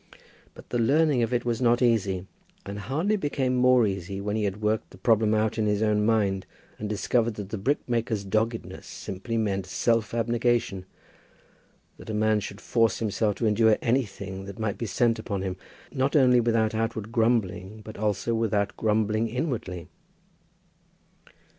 But the learning of it was not easy, and hardly became more easy when he had worked the problem out in his own mind, and discovered that the brickmaker's doggedness simply meant self abnegation; that a man should force himself to endure anything that might be sent upon him, not only without outward grumbling, but also without grumbling inwardly.